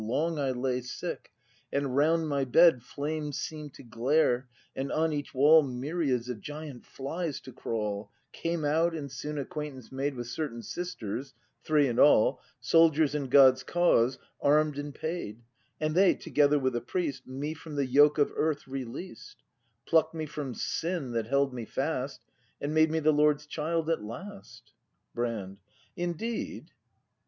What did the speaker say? Long I lay sick, and round my bed Flames seem'd to glare, and on each wall Myriads of giant flies to crawl; — Came out, and soon acquaintance made With certain sisters, three in all. Soldiers in God's cause arm'd and paid. And they, together with a priest. Me from the yoke of Earth released; Pluck'd me from Sin that held me fast. And made me the Lord's child at last. Brand. Indeed